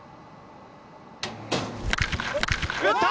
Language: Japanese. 打った！